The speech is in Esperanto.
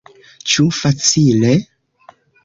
Ĉu facile?